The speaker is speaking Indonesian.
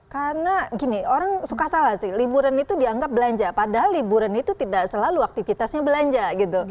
karena gini orang suka salah sih liburan itu dianggap belanja padahal liburan itu tidak selalu aktivitasnya belanja gitu